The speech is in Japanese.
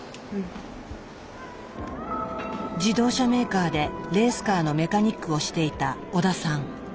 自動車メーカーでレースカーのメカニックをしていた小田さん。